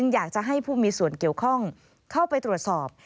อยากจะให้ผู้มีส่วนเกี่ยวข้องเข้าไปตรวจสอบ